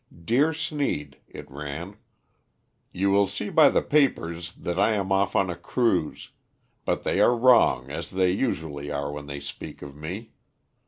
DEAR SNEED (it ran), You will see by the papers that I am off on a cruise, but they are as wrong as they usually are when they speak of me.